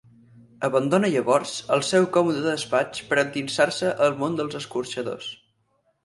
Abandona llavors el seu còmode despatx per endinsar-se al món dels escorxadors.